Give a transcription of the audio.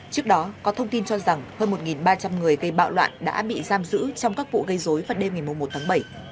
trước đó có thông tin cho rằng hơn một ba trăm linh người gây bạo loạn đã bị giam giữ trong các vụ gây dối vào đêm ngày một tháng bảy